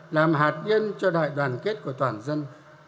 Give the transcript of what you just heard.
làm hạt nhân cho đại đoàn kết của toàn dân